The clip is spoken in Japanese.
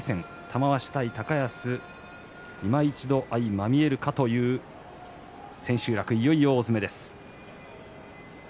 玉鷲対高安いま一度、相まみえるかという千秋楽、いよいよ大詰めです。